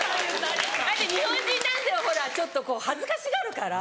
だって日本人男性はほらちょっとこう恥ずかしがるから。